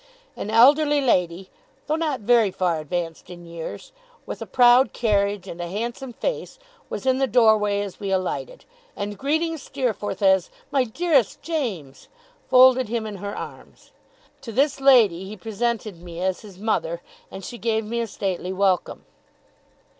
An elderly lady, though not very far advanced in years, with a proud carriage and a handsome face, was in the doorway as we alighted; and greeting Steerforth as 'My dearest James,' folded him in her arms. To this lady he presented me as his mother, and she gave me a stately welcome.